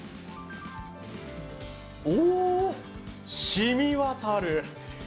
お、しみわたる！